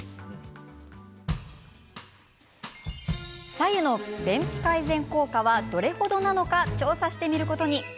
白湯の便秘改善効果はどれ程なのか調査してみることに。